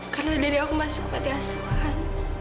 karena dari aku masih kematiasuhan